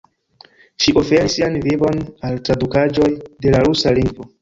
Ŝi oferis sian vivon al tradukaĵoj de la rusa lingvo.